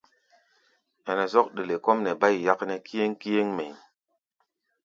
Ɛnɛ zɔ́k ɗele kɔ́ʼm nɛ bá yi yáknɛ́ kíéŋ-kíéŋ mɛʼí̧.